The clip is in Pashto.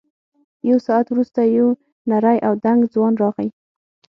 یو ساعت وروسته یو نری او دنګ ځوان راغی.